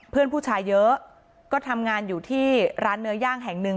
เพื่อนผู้ชายเยอะก็ทำงานอยู่ที่ร้านเนื้อย่างแห่งหนึ่ง